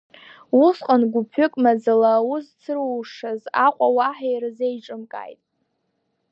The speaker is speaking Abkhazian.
Усҟан гәыԥ-ҩык маӡала аус зцырушаз Аҟәа уаҳа ирзеиҿымкааит.